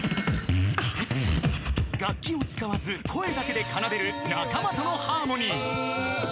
［楽器を使わず声だけで奏でる仲間とのハーモニー］